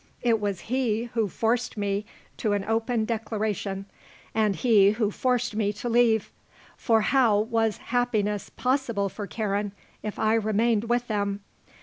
It was he who forced me to an open declaration and he who forced me to leave; for how was happiness possible for Karen if I remained with them?